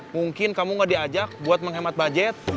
mungkin kamu gak diajak buat menghemat budget